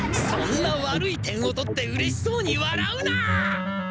そんな悪い点を取ってうれしそうにわらうな！